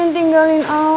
jangan tinggalin aku